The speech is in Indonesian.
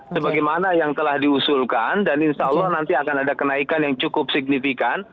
sebagaimana yang telah diusulkan dan insya allah nanti akan ada kenaikan yang cukup signifikan